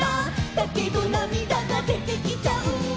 「だけどなみだがでてきちゃう」